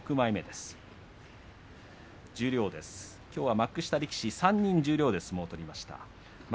幕下力士３人が十両で相撲を取りました。